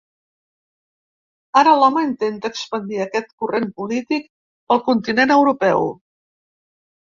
Ara l’home intenta expandir aquest corrent polític pel continent europeu.